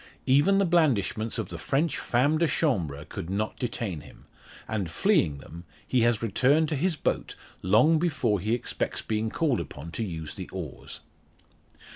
Even the blandishments of the French femme de chambre could not detain him; and fleeing them, he has returned to his boat long before he expects being called upon to use the oars.